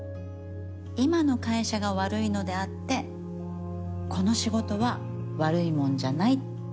今の会社が悪いのであってこの仕事は悪いもんじゃないって。